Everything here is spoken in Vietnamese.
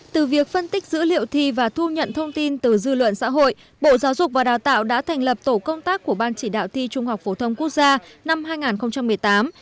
từ việc phân tích dữ liệu thi và thu nhận thông tin từ dư luận xã hội bộ giáo dục và đào tạo đã thành lập tổ công tác của ban chỉ đạo thi trung học phổ thông quốc gia năm hai nghìn một mươi tám